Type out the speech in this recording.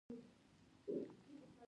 خټکی خوشبویه ده.